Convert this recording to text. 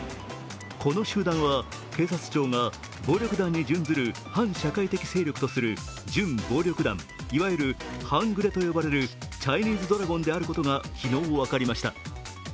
この集団は警察庁が暴力団に準ずる反社会的勢力とする準暴力団、いわゆる半グレと呼ばれるチャイニーズドラゴンであることが昨日、分かりました。